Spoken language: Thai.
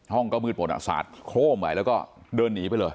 ห้องก็มืดหมดอ่ะสาดโคร่มไปแล้วก็เดินหนีไปเลย